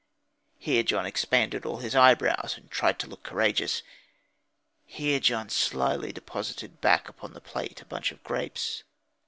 "Here John expanded all his eyebrows, and tried to look courageous." "Here John slily deposited back upon the plate a bunch of grapes."